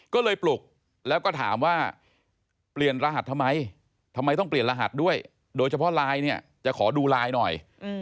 ก็เลยปลุกแล้วก็ถามว่าเปลี่ยนรหัสทำไมทำไมต้องเปลี่ยนรหัสด้วยโดยเฉพาะไลน์เนี่ยจะขอดูไลน์หน่อย